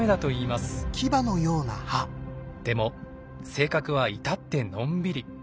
でも性格はいたってのんびり。